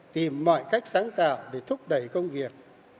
tìm mọi cách sáng tạo để thúc đẩy công việc